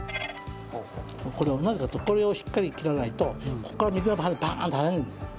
これなぜかっていうとこれをしっかり切らないとここから水が入るとパーンと跳ねるんですよ。